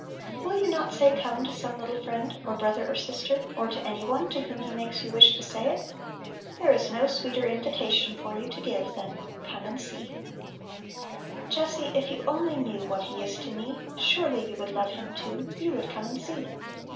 Will you not say " Come " to some lit tle friend or brother or sister, or to any one to whom He makes you wish to say it ? There is no sweeter invitation for you to give than " Come and see I * the "Jessie, if yon only knew What He is to me, Surely yon would love Him too, You would " come and see."